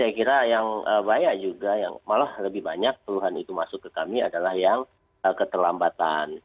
saya kira yang banyak juga yang malah lebih banyak keluhan itu masuk ke kami adalah yang keterlambatan